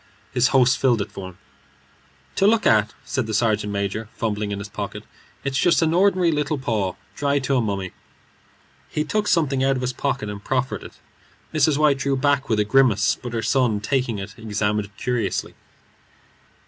His host filled it for him. "To look at," said the sergeant major, fumbling in his pocket, "it's just an ordinary little paw, dried to a mummy." He took something out of his pocket and proffered it. Mrs. White drew back with a grimace, but her son, taking it, examined it curiously.